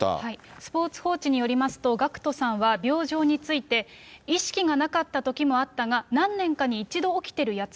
スポーツ報知によりますと、ＧＡＣＫＴさんは病状について、意識がなかったときもあったが、何年かに一度起きてるやつ。